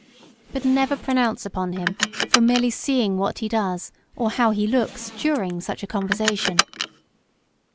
But never pronounce upon him from merely seeing what he does, or how he looks, during such a conversation.